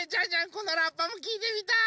このラッパもきいてみたい！